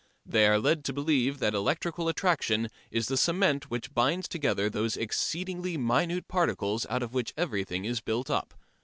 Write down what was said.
They are led to believe that electrical attraction is the cement which binds together those exceedingly minute particles out of which everything is built up.